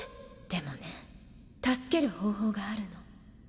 でもね助ける方法があるの。